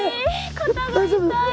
肩が痛い！